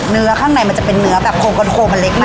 แล้วข้างในมันจะเป็นเนื้อแบบโคลกมันเล็กมาก